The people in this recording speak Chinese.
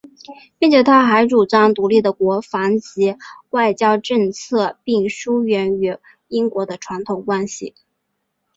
并且他还主张独立的国防及外交政策并疏远与英国的传统关系。